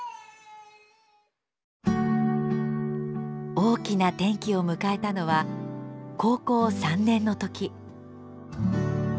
大きな転機を迎えたのは高校３年の時。